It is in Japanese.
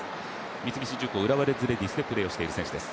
三菱重工浦和レッズレディースでプレーしている選手です。